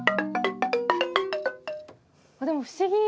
でも不思議。